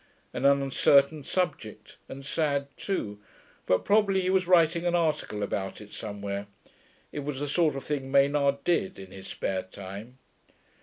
An uncertain subject, and sad, too; but probably he was writing an article about it somewhere; it was the sort of thing Maynard did, in his spare time.